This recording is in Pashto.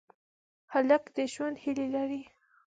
هلک د ژوند هیلې لري.